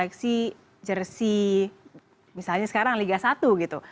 tertarik nggak sih untuk mengoleksi jersi misalnya sekarang liga satu gitu